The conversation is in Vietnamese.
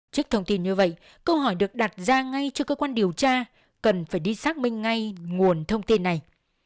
trước thông tin như vậy câu hỏi được đặt ra ngay cho cơ quan điều tra cần phải đi xác minh ngay nguồn thông tin này